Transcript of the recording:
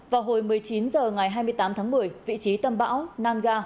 vào hồi một mươi chín h ngày hai mươi tám tháng một mươi vị trí tâm bão nangga